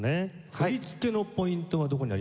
振り付けのポイントはどこにありますか？